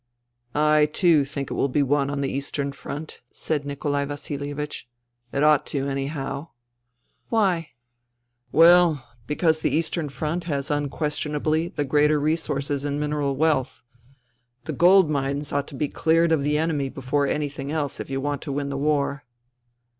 " I too think it will be won on the Eastern Front," said Nikolai Vasilievich. " It ought to, anyhow." " Why ?"" Well, because the Eastern Front has unquestion ably the greater resources in mineral wealth. The gold mines ought to be cleared of the enemy before anything else if you want to win the war."